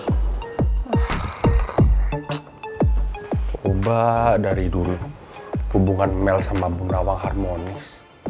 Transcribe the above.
coba dari dulu hubungan mel sama bu nawang harmonis